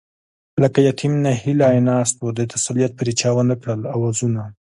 لکه يتيم ناهيلی ناست وو، د تسليت پرې چا ونکړل آوازونه